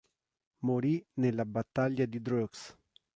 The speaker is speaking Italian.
Morì nella battaglia di Dreux.